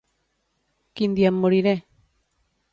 Quin dia em moriré?